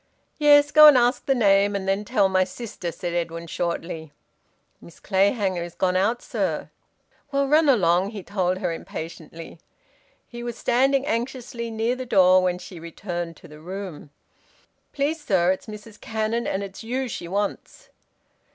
"Yes. Go and ask the name, and then tell my sister," said Edwin shortly. "Miss Clayhanger is gone out, sir." "Well, run along," he told her impatiently. He was standing anxiously near the door when she returned to the room. "Please, sir, it's a Mrs Cannon, and it's you she wants."